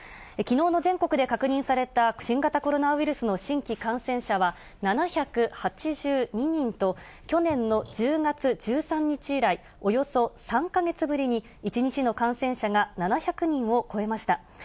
きのうの全国で確認された新型コロナウイルスの新規感染者は７８２人と、去年の１０月１３日以来およそ３か月ぶりに、１日の感染者が７００人を超えました。